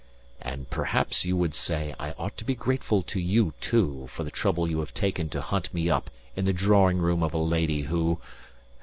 "And perhaps you would say I ought to be grateful to you too for the trouble you have taken to hunt me up in the drawing room of a lady who..."